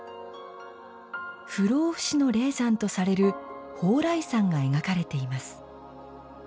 不老不死の霊山とされる蓬莱山が描かれています。